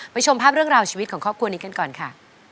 ชมภาพเรื่องราวชีวิตของครอบครัวนี้กันก่อนค่ะ